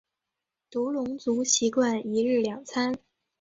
独龙族习惯一日两餐。